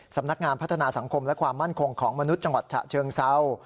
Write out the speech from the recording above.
สำนักงานพัฒนาสังคมและความมั่นคงของมนุษย์จังหวัดฉะเชิงเศร้า